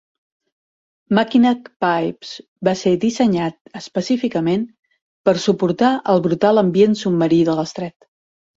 Mackinac pipes va ser dissenyat específicament per suportar el brutal ambient submarí de l'estret.